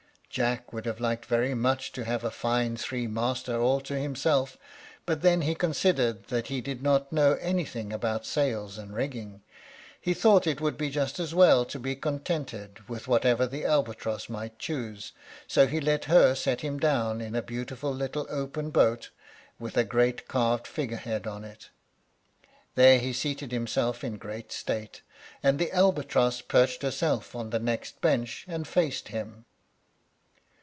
Jack would have liked very much to have a fine three master, all to himself; but then he considered that he did not know anything about sails and rigging; he thought it would be just as well to be contented with whatever the albatross might choose, so he let her set him down in a beautiful little open boat, with a great carved figure head to it. There he seated himself in great state, and the albatross perched herself on the next bench, and faced him.